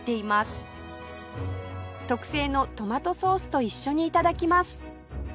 特製のトマトソースと一緒に頂きます